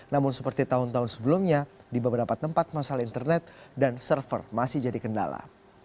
namun seperti tahun tahun sebelumnya di beberapa tempat masalah internet dan server masih jadi kendala